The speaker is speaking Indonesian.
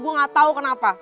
gue gak tau kenapa